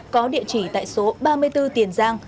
có địa chỉ tại số ba mươi bốn tiền giang